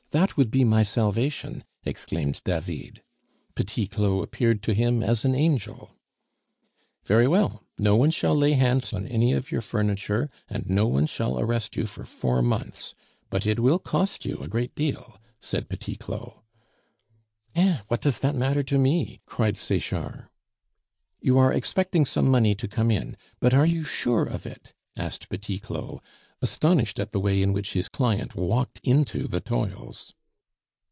that would be my salvation," exclaimed David. Petit Claud appeared to him as an angel. "Very well. No one shall lay hands on any of your furniture, and no one shall arrest you for four months But it will cost you a great deal," said Petit Claud. "Eh! what does that matter to me?" cried Sechard. "You are expecting some money to come in; but are you sure of it?" asked Petit Claud, astonished at the way in which his client walked into the toils.